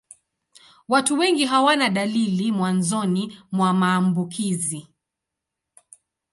Watu wengi hawana dalili mwanzoni mwa maambukizi.